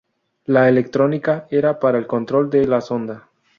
La electrónica era para el control de la sonda.